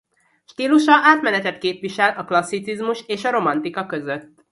Stílusa átmenetet képvisel a klasszicizmus és a romantika között.